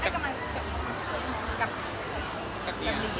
เป็นยังไงบ้าง